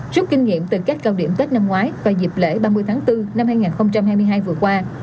rút kinh nghiệm từ các cao điểm tết năm ngoái và dịp lễ ba mươi tháng bốn năm hai nghìn hai mươi hai vừa qua